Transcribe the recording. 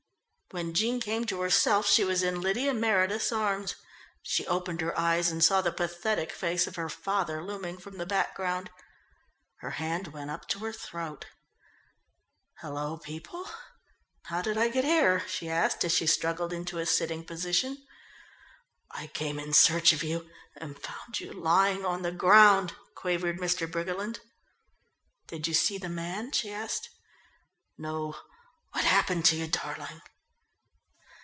When Jean came to herself she was in Lydia Meredith's arms. She opened her eyes and saw the pathetic face of her father looming from the background. Her hand went up to her throat. "Hallo, people how did I get here?" she asked as she struggled into a sitting position. "I came in search of you and found you lying on the ground," quavered Mr. Briggerland. "Did you see the man?" she asked. "No. What happened to you, darling?"